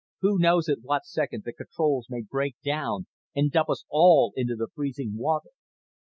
Who knows at what second the controls may break down and dump us all into the freezing water?"